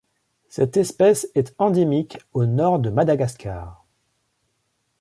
Cette espèce est endémique au nord de Madagascar.